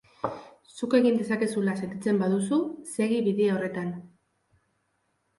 Zuk egin dezakezula sentitzen baduzu, segi bide horretan.